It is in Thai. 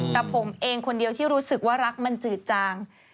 แต่ผมเองคนเดียวที่รู้สึกว่ารักมันจืดจาง